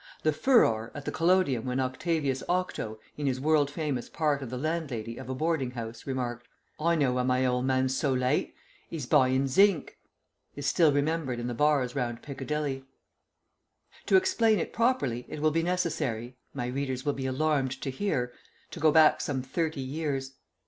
The furore at the Collodium when Octavius Octo, in his world famous part of the landlady of a boarding house, remarked, "I know why my ole man's so late. 'E's buying zinc," is still remembered in the bars round Piccadilly. ..... To explain it properly it will be necessary (my readers will be alarmed to hear) to go back some thirty years.